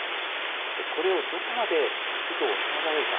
これをどこまで低く抑えられるか。